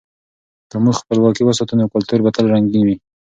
که موږ خپلواکي وساتو، نو کلتور به تل رنګین وي.